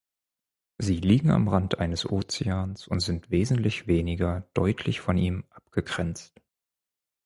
Sie liegen am Rand eines Ozeans und sind wesentlich weniger deutlich von ihm abgegrenzt.